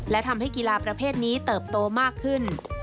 และทำให้กีฬาประเภทนี้เติบโตมากขึ้น